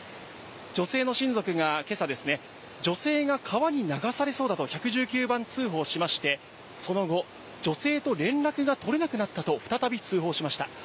女性の親族がけさ、女性が川に流されそうだと、１１９番通報しまして、その後、女性と連絡が取れなくなったと再び通報しました。